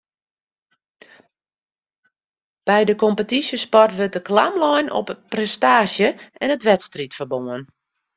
By de kompetysjesport wurdt de klam lein op prestaasje en it wedstriidferbân